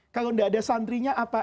kalau tidak ada santrinya apa